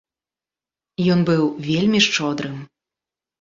Ён быў вельмі шчодрым.